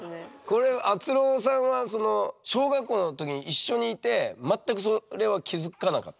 これあつろーさんは小学校の時に一緒にいて全くそれは気付かなかった？